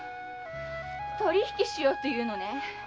取り引きしようって言うのね。